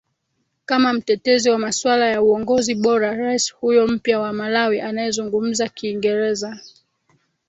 kama mtetezi wa masuala ya uongozi bora Rais huyo mpya wa malawi anayezungumza kiingezera